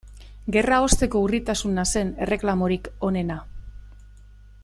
Gerraosteko urritasuna zen erreklamorik onena.